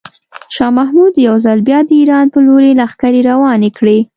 شاه محمود یو ځل بیا د ایران په لوري لښکرې روانې کړې.